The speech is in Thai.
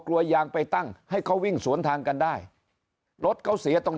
กลัวยางไปตั้งให้เขาวิ่งสวนทางกันได้รถเขาเสียตรง